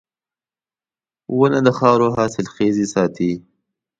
• ونه د خاورو حاصلخېزي ساتي.